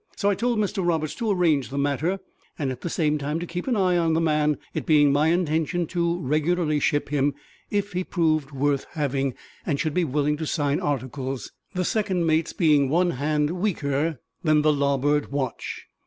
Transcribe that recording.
So I told Mr Roberts to arrange the matter, and at the same time to keep an eye on the man; it being my intention to regularly ship him, if he proved worth having and should be willing to sign articles; the second mate's being one hand weaker than the larboard watch.